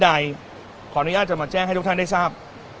ใดขออนุญาตจะมาแจ้งให้ทุกท่านได้ทราบ